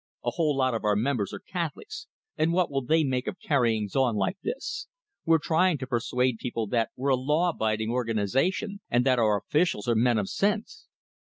A whole lot of our members are Catholics, and what will they make of carryings on like this? We're trying to persuade people that we're a law abiding organization, and that our officials are men of sense."